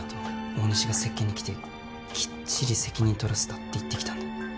大西が接見に来て「きっちり責任取らせた」って言ってきた